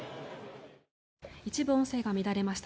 一部音声が乱れました。